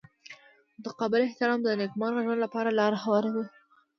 متقابل احترام د نیکمرغه ژوند لپاره لاره هواروي.